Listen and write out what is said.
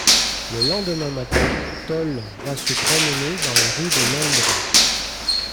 Le lendemain matin, Tolle va se promener dans les rues de Londres.